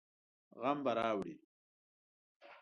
غم به راوړي.